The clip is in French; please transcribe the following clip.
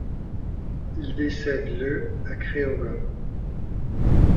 Il décède le à Craiova.